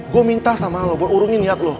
gue minta sama lo buat urungin niat lo